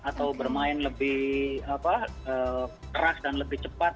atau bermain lebih keras dan lebih cepat